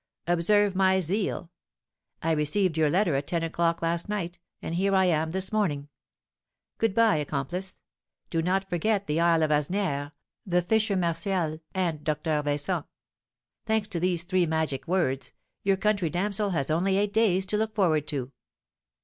'Observe my zeal! I received your letter at ten o'clock last night, and here I am this morning. Good by, accomplice; do not forget the isle of Asnières, the fisher Martial, and Doctor Vincent. Thanks to these three magic words, your country damsel has only eight days to look forward to.'